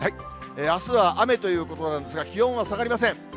あすは雨ということなんですが、気温は下がりません。